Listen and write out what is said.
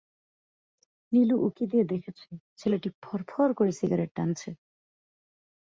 নীলু উঁকি দিয়ে দেখেছে, ছেলেটি ফরফর করে সিগারেট টানছে।